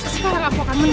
sekarang aku akan menang